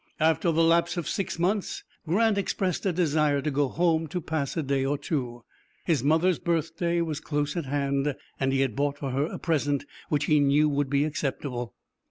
After the lapse of six months Grant expressed a desire to go home to pass a day or two. His mother's birthday was close at hand, and he had bought for her a present which he knew would be acceptable.